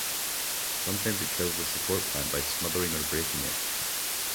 Sometimes it kills the support plant by smothering or breaking it.